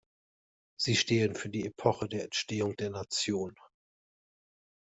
Sie stehen für die Epoche der Entstehung der Nation.